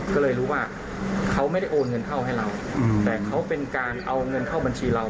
ก็เลยรู้ว่าเขาไม่ได้โอนเงินเข้าให้เราแต่เขาเป็นการเอาเงินเข้าบัญชีเรา